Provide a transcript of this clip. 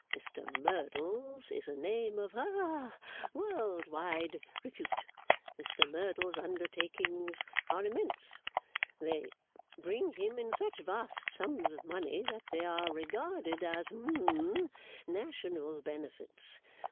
Mr Merdle's is a name of ha world wide repute. Mr Merdle's undertakings are immense. They bring him in such vast sums of money that they are regarded as hum national benefits.